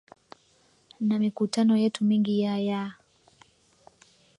na mikutano yetu mingi ya ya